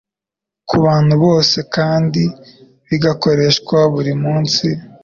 ku bantu bose kandi bigakoreshwa buri munsi.